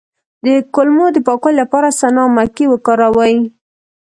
د کولمو د پاکوالي لپاره سنا مکی وکاروئ